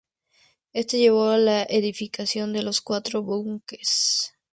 Esto llevó a la edificación de los cuatro búnkeres.